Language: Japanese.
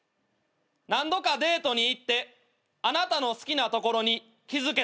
「何度かデートに行ってあなたの好きなところに気付けた」